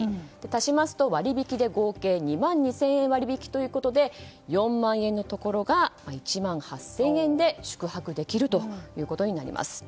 足しますと、割引合計２万２０００円ということで４万円のところが１万８０００円で宿泊できるということになります。